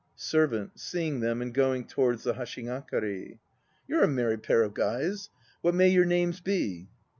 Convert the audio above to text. SERVANT (seeing them and going towards the hashigakari) . You're a merry pair of guys 1 ! What may your names be?